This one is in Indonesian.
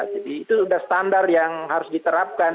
jadi itu sudah standar yang harus diterapkan